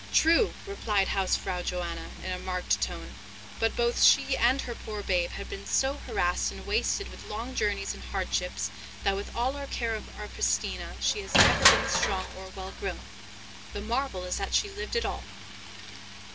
"True!" replied Hausfrau Johanna, in a marked tone; "but both she and her poor babe had been so harassed and wasted with long journeys and hardships, that with all our care of our Christina, she has never been strong or well grown. The marvel is that she lived at all."